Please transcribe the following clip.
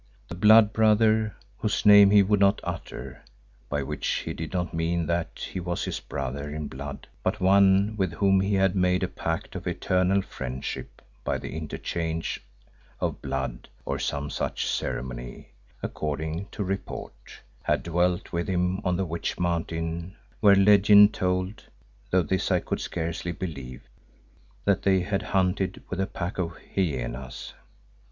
The "blood brother," whose name he would not utter, by which he did not mean that he was his brother in blood but one with whom he had made a pact of eternal friendship by the interchange of blood or some such ceremony, according to report, had dwelt with him on the Witch Mountain where legend told, though this I could scarcely believe, that they had hunted with a pack of hyenas.